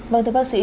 vâng thưa bác sĩ